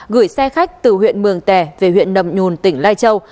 gửi xe khách từ huyện mường tè về huyện nậm nhùn tỉnh lai châu